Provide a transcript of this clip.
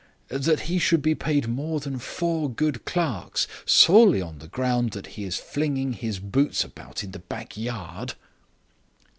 That he should be paid more than four good clerks solely on the ground that he is flinging his boots about in the back yard?"